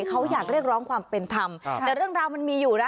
เขาอยากเรียกร้องความเป็นธรรมแต่เรื่องราวมันมีอยู่นะ